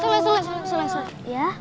soleh soleh soleh